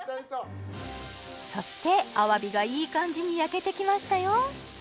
そしてアワビがいい感じに焼けてきましたよ